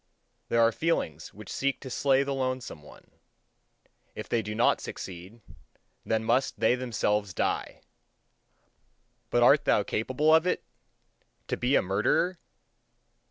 There are feelings which seek to slay the lonesome one; if they do not succeed, then must they themselves die! But art thou capable of it to be a murderer?